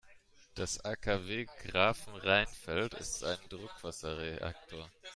Das AKW Grafenrheinfeld ist ein Druckwasserreaktor.